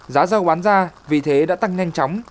giá dầu bán ra vì thế đã tăng nhanh chóng